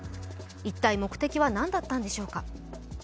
一体、目的は何だったのでしょうか。